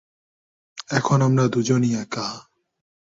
এখন আমরা দুজনই একা।